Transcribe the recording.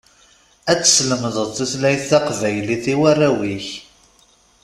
Ad teslemdeḍ tutlayt taqbaylit i warraw-ik.